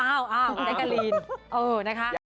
อ้าวคุณแจ๊กกะลีนเออนะคะ